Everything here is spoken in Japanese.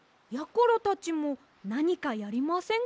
ころたちもなにかやりませんか？